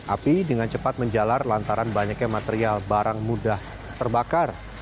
api dengan cepat menjalar lantaran banyaknya material barang mudah terbakar